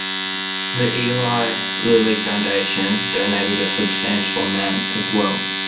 The Eli Lilly Foundation donated a substantial amount as well.